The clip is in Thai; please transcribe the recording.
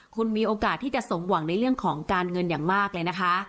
คุณมีโอกาสที่จะสมหวังในเรื่องของการเงินอย่างมากเลยนะคะ